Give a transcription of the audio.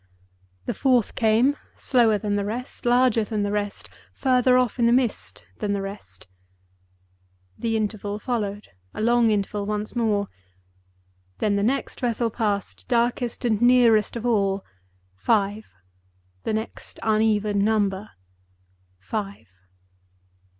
The fourth came, slower than the rest, larger than the rest, further off in the mist than the rest. The interval followed; a long interval once more. Then the next vessel passed, darkest and nearest of all. Five. The next uneven number— Five.